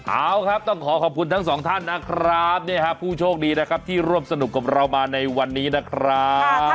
เอาครับต้องขอขอบคุณทั้งสองท่านนะครับผู้โชคดีนะครับที่ร่วมสนุกกับเรามาในวันนี้นะครับ